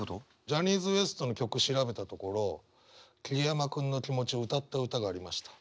ジャニーズＷＥＳＴの曲調べたところ桐山君の気持ちを歌った歌がありました。